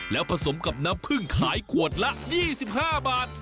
แล้วผสมกับน้ำผึ้งขายขวดละ๒๕บาท